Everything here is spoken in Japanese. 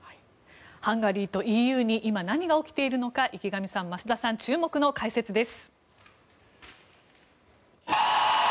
ハンガリーとＥＵに今何が起きているのか池上さん、増田さん注目の解説です。